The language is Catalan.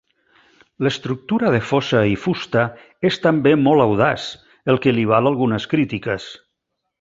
L'estructura de fosa i fusta és també molt audaç, el que li val algunes crítiques.